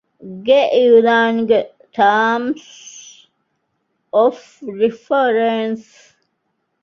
ގެ އިޢުލާންގެ ޓާމްސް އޮފް ރިފަރެންސް